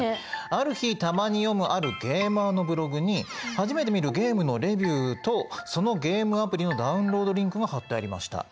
「ある日たまに読むあるゲーマーのブログに初めて見るゲームのレビューとそのゲームアプリのダウンロードリンクが貼ってありました。